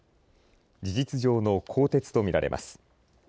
事実上の更迭と見られます。